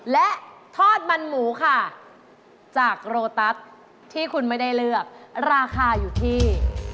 และทอดมันหมูค่ะจากโรตัสที่คุณไม่ได้เลือกราคาอยู่ที่